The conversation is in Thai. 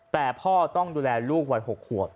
แต่พ่อต้องดูแลลูกวัย๖ขวบ